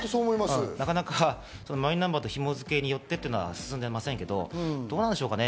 なかなかマイナンバーと紐づけによってというのが進んでいませんけど、どうなんでしょう？